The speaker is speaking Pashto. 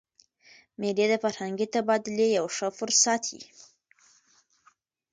مېلې د فرهنګي تبادلې یو ښه فرصت يي.